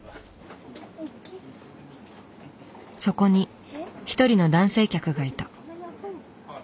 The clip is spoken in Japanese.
そこに一人の男性客がいた。